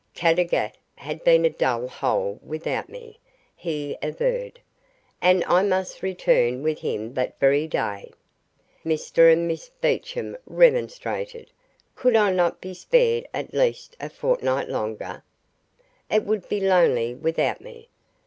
Caddagat had been a dull hole without me, he averred, and I must return with him that very day. Mr and Miss Beecham remonstrated. Could I not be spared at least a fortnight longer? It would be lonely without me.